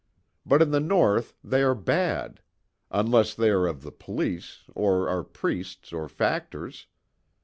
But in the North they are bad. Unless they are of the police, or are priests, or factors.